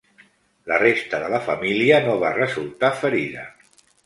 La resta de la família no va resultar ferida.